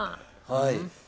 はい。